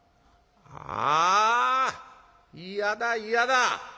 「あ嫌だ嫌だ。